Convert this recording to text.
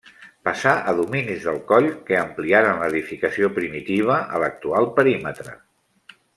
Passà a domini dels Coll, que ampliaren l'edificació primitiva a l'actual perímetre.